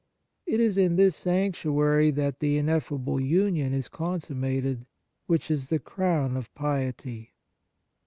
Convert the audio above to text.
It is in this sanctuary that the ineffable union is consummated, which is the crown of piety.